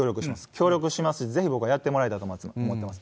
協力します、ぜひ僕はやってもらいたいと思ってます。